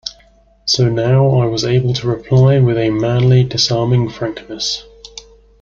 So now I was able to reply with a manly, disarming frankness.